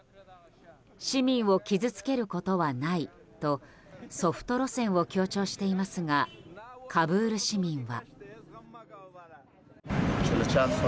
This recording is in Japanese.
市民を傷つけることはないとソフト路線を強調していますがカブール市民は。